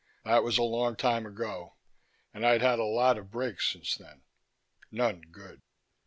That was a long time ago, and I'd had a lot of breaks since then none good.